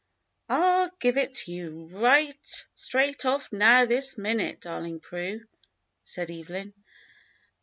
"I'll give it to you right straight off now this minute, darling Prue," said Evelyn.